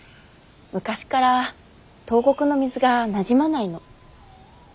昔から東国の水がなじまないの。